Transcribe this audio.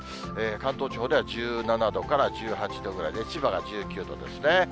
関東地方では１７度から１８度ぐらいで、千葉が１９度ですね。